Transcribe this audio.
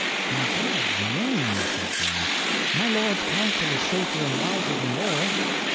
"In God's name," said Joan, "my Lord's counsel is safer and wiser than yours.